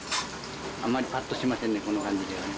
あんまりぱっとしませんね、こんな感じだとね。